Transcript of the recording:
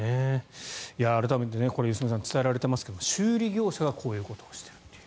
改めて良純さん伝えられていますが、修理業者がこういうことをしているという。